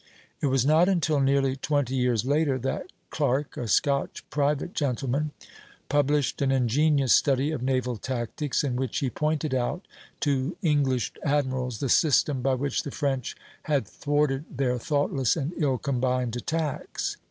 It was not until nearly twenty years later that Clerk, a Scotch private gentleman, published an ingenious study of naval tactics, in which he pointed out to English admirals the system by which the French had thwarted their thoughtless and ill combined attacks.